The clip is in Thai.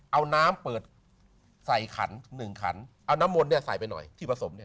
เอาน้ำเปิดใส่ขันหนึ่งขันเอาน้ำมนต์เนี่ยใส่ไปหน่อยที่ผสมเนี่ย